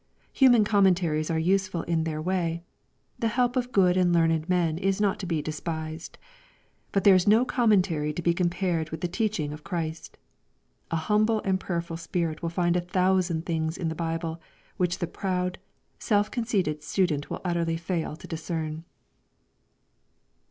Human commentaries are useful in their way. The help of good and learned men is not to be despised. But there is no commentary to be compar^4 with the teaching of Christ. A humble and prayerful spirit will find a thousand things in the Bible, which the proud, self conceited student will utterly fail to discern.